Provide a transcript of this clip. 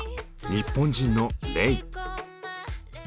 日本人のレイ。